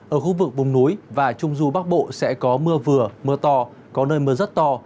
ở khu vực vùng núi và trung du bắc bộ sẽ có mưa vừa mưa to có nơi mưa rất to